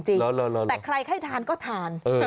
แต่ใครให้ทานก็ทาน